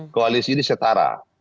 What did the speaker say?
koalisi ini setara